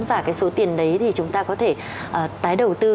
và cái số tiền đấy thì chúng ta có thể tái đầu tư